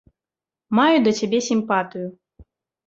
Маю да цябе сімпатыю.